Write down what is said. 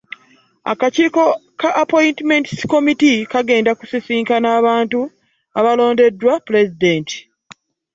Akakiiko ka Appointments Committee kagenda kusisinkana abantu abalondeddwa pulezidenti.